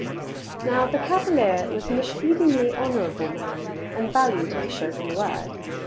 Now, the cavalier was an exceedingly honorable man and valued his spoken word.